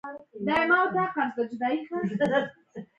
د غزني په جاغوري کې د مسو نښې شته.